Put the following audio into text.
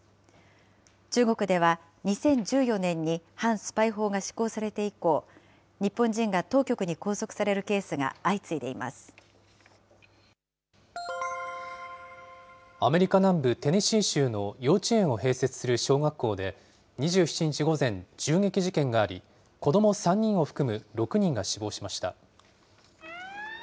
中国では、２０１４年に反スパイ法が施行されて以降、日本人が当局に拘束さアメリカ南部テネシー州の幼稚園を併設する小学校で、２７日午前、銃撃事件があり、子ども３人を含む６人が死亡しました。